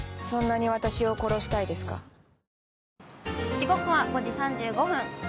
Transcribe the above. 時刻は５時３５分。